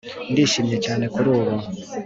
Ndishimye cyane kurubu